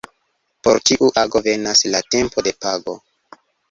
Por ĉiu ago venas la tempo de pago.